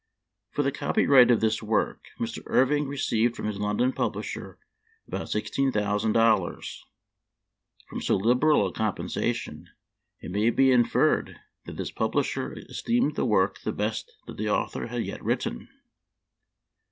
For the copy right of this work Mr. Irving re ceived from his London publisher about sixteen thousand dollars. From so liberal a compensa tion it may be inferred that this publisher esteemed the work the best that the author had yet written.